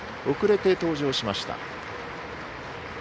遅れて登場しました。